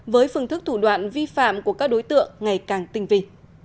với phương thức thủ đoạn vi phạm của các đối tượng ngày càng tinh vi